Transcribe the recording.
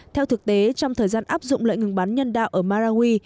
theo thực tế trong thời gian áp dụng lệnh ngừng bắn nhân đạo ở marawi